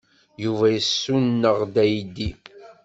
Yuba yessuneɣ-d aydi.